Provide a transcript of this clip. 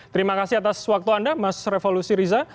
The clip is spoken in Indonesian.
terima kasih atas waktu anda mas revo lusi riza